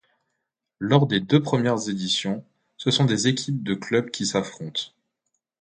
Lors des deux premières éditions, ce sont des équipes de clubs qui s'affrontent.